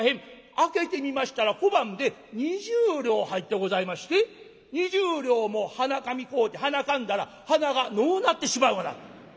開けてみましたら小判で２０両入ってございまして２０両も鼻紙買うてはなかんだら鼻がのうなってしまうがな。